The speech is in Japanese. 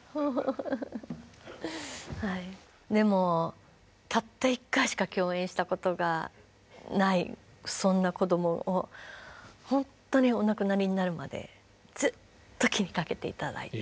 でもたった一回しか共演したことがないそんな子どもをほんとにお亡くなりになるまでずっと気にかけて頂いて。